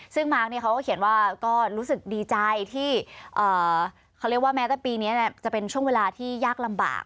ซึ่งมาร์คเขาก็เขียนว่าก็รู้สึกดีใจที่เขาเรียกว่าแม้แต่ปีนี้จะเป็นช่วงเวลาที่ยากลำบาก